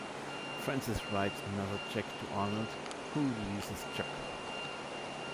Francis writes another check to Arnold, who releases Chuck.